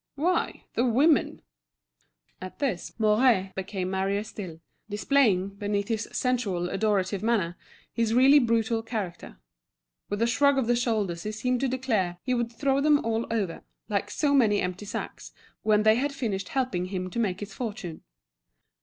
"Why, the women." At this, Mouret became merrier still, displaying, beneath his sensual, adorative manner, his really brutal character. With a shrug of the shoulders he seemed to declare he would throw them all over, like so many empty sacks, when they had finished helping him to make his fortune.